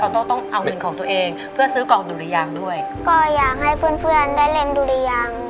เติมเติมฝัน